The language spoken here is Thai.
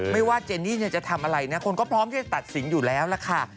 ไม่ว่าเจนี่จะทำอะไรนะคนก็พร้อมที่จะตัดสินอยู่แล้วล่ะค่ะ